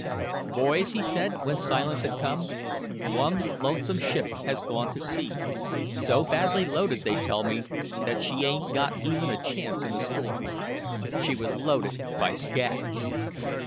"Boys," he said, when silence had come, "one lonesome ship has gone to sea so badly loaded, they tell me, that she ain't got even a chance in a storm. She was loaded by scabs."